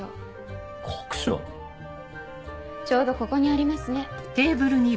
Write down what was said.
ちょうどここにありますね。